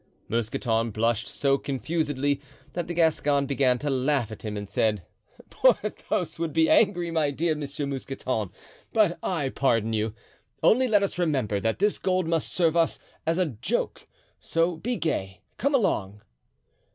Mousqueton blushed so confusedly that the Gascon began to laugh at him and said: "Porthos would be angry, my dear Monsieur Mousqueton, but I pardon you, only let us remember that this gold must serve us as a joke, so be gay—come along."